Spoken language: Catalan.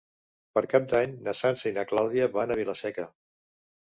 Per Cap d'Any na Sança i na Clàudia van a Vila-seca.